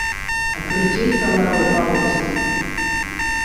Акриҿеиҵалароуп аурыс.